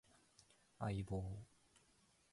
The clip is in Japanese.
相棒